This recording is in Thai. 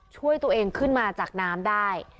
ช่วยตัวเองขึ้นมาจากน้ำได้